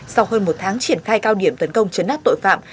sau hơn một tháng triển khai cao điểm tấn công chấn áp tội phạm